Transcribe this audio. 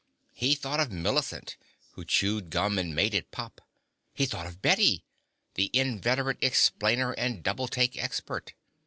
He thought of Millicent, who chewed gum and made it pop. He thought of Bette, the inveterate explainer and double take expert.